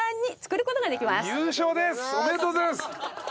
おめでとうございます！